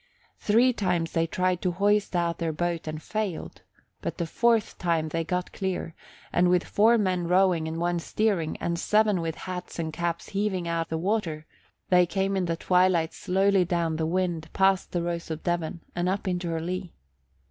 Three times they tried to hoist out their boat and failed; but the fourth time they got clear, and with four men rowing and one steering and seven with hats and caps heaving out the water, they came in the twilight slowly down the wind past the Rose of Devon and up into her lee.